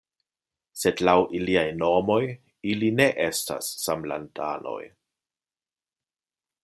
Sed laŭ iliaj nomoj ili ne estas samlandanoj!